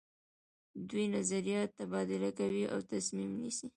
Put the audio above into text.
دوی نظریات تبادله کوي او تصمیم نیسي.